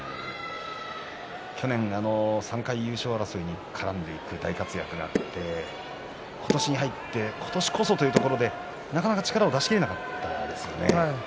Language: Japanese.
去年３回、優勝争いに絡んでいく大活躍があって今年に入って今年こそというところでなかなか力を出し切れなかったですよね。